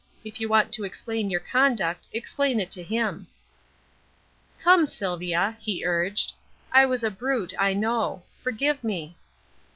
If you want to explain your conduct, explain it to him." "Come, Sylvia," he urged; "I was a brute, I know. Forgive me."